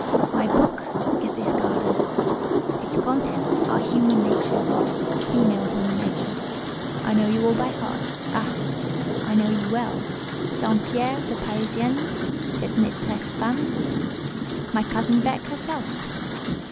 My book is this garden; its contents are human nature—female human nature. I know you all by heart. Ah! I know you well—St. Pierre, the Parisienne—cette maîtresse femme, my cousin Beck herself."